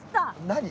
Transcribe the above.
何？